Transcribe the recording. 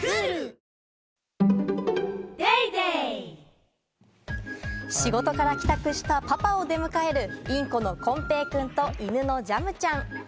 部屋に入ってきた瞬間、仕事から帰宅したパパを出迎えるインコのこんぺいくんと、犬のジャムちゃん。